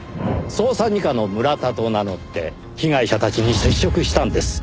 捜査二課の村田と名乗って被害者たちに接触したんです。